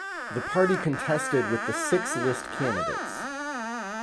The party contested the with six list candidates.